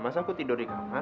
mas aku tidur di kamar